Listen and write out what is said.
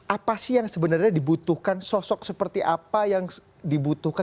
apa sih yang sebenarnya dibutuhkan sosok seperti apa yang dibutuhkan